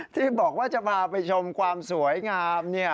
ที่บอกว่าจะพาไปชมความสวยงาม